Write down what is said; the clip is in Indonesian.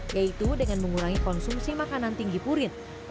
yaitu dengan mengurangi konsumsi makanan tinggi purin